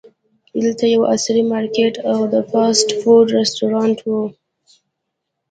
دلته یو عصري مارکیټ او د فاسټ فوډ رسټورانټ و.